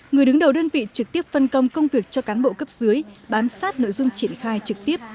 người đứng đầu đơn vị trực tiếp phân công công việc cho cán bộ cấp dưới bám sát nội dung triển khai trực tiếp